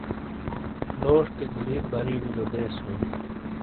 لوشٹے گلیت بری بلو دیز ہوں ۔